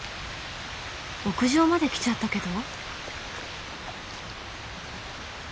屋上まで来ちゃったけど。